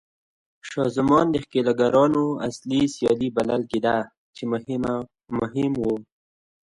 شاه زمان د ښکېلاګرانو اصلي سیال بلل کېده چې مهم و.